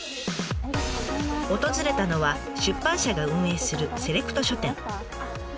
訪れたのは出版社が運営するセレクト書店。